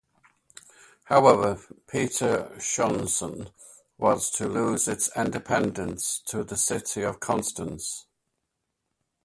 However Petershausen was to lose its independence to the city of Constance.